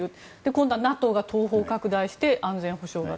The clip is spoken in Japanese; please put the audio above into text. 今度はＮＡＴＯが東方拡大して安全保障が。